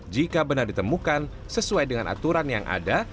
jika benar ditemukan sesuai dengan aturan yang ada